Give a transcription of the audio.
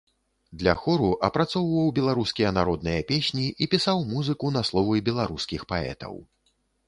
Для хору апрацоўваў беларускія народныя песні і пісаў музыку на словы беларускіх паэтаў.